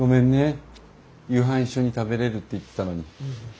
夕飯一緒に食べれるって言ってたのに。